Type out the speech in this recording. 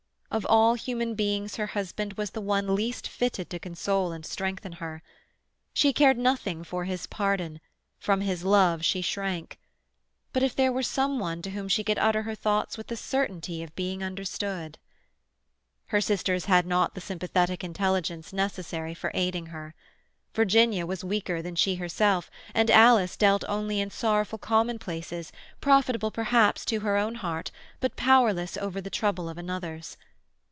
Of all human beings her husband was the one least fitted to console and strengthen her. She cared nothing for his pardon; from his love she shrank. But if there were some one to whom she could utter her thoughts with the certainty of being understood— Her sisters had not the sympathetic intelligence necessary for aiding her; Virginia was weaker than she herself, and Alice dealt only in sorrowful commonplaces, profitable perhaps to her own heart, but powerless over the trouble of another's.